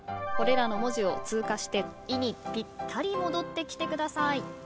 これらの文字を通過して「い」にぴったり戻ってきてください。